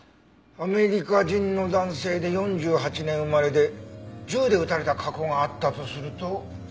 アメリカ人の男性で４８年生まれで銃で撃たれた過去があったとすると。